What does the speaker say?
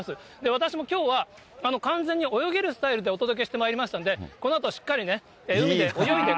私もきょうは完全に泳げるスタイルでお届けしてまいりましたんで、このあとしっかりね、羨ましいな。